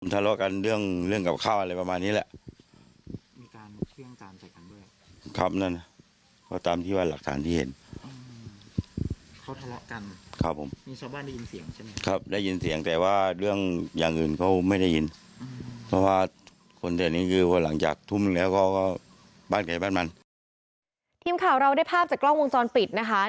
ทีมข่าวเราได้ภาพจากกล้องวงจรปิดนะคะ